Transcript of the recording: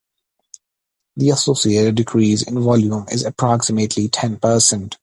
The associated decrease in volume is approximately ten percent.